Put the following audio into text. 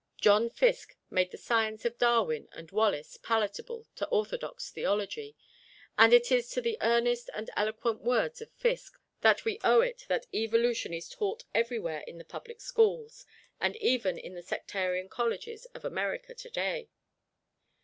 John Fiske made the science of Darwin and Wallace palatable to orthodox theology, and it is to the earnest and eloquent words of Fiske that we owe it that Evolution is taught everywhere in the public schools and even in the sectarian colleges of America today.